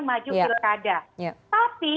maju pilkada tapi